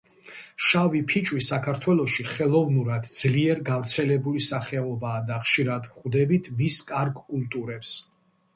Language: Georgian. შავი ფიჭვი საქართველოში ხელოვნურად ძლიერ გავრცელებული სახეობაა და ხშირად ვხვდებით მის კარგ კულტურებს.